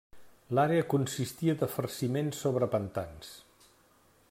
L'àrea consistia de farciments sobre pantans.